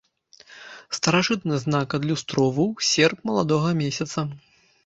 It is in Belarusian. Старажытны знак адлюстроўваў серп маладога месяца.